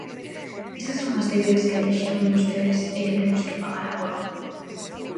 Esas son as débedas que deixaron vostedes e que temos que pagar agora.